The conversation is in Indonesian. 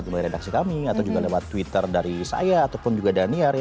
agar memberikan masukan apakah lewat redaksi kami atau juga lewat twitter dari saya ataupun juga dhaniar